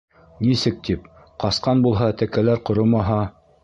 — Нисек тип, ҡасҡан булһа, тәкәләр ҡоромаһа...